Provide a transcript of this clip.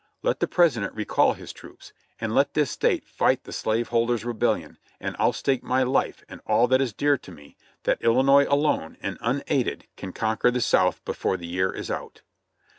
Let the President recall his troops, and let this State fight the slave holders' rebellion, and I'll stake my life and all that is dear to me that Illinois alone and unaided can conquer the South before the year is out.